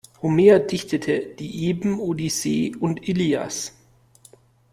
Homer dichtete die Epen Odyssee und Ilias.